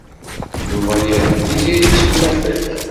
Yuba ad yerfed Tiziri seg unafag.